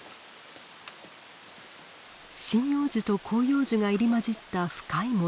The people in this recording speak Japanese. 針葉樹と広葉樹が入り交じった深い森。